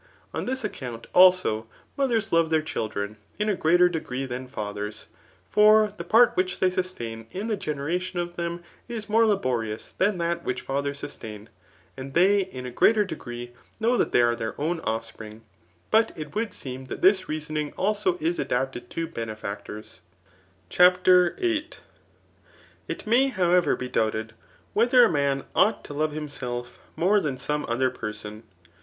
On this account, also, mothers love their children in a greater degree than fathers ; for the part which they sustain in the gaieration of them is more laborious than that which fiithers sustam, and they in a greater degree know that they are their own offspring* But it would seem that this reasonmg also is adapted to benefactors. Digitized by Google CHAP. VIIT. iTmcs. 349 CHAPTER VIII. It may however be doubted, whether a iiu»i ought to love himself more than some other person.